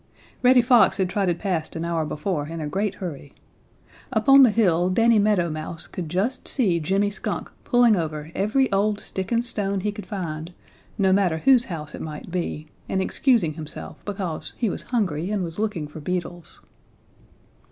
Reddy Fox had trotted past an hour before in a great hurry. Up on the hill Danny Meadow Mouse could just see Jimmy Skunk pulling over every old stick and stone he could find, no matter whose house it might be, and excusing himself because he was hungry and was looking for beetles.